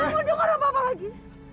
mau dengar apa apa lagi